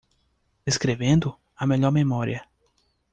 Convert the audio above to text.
Escrevendo? a melhor memória.